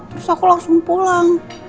terus aku langsung pulang